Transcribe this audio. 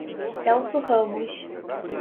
Celso Ramos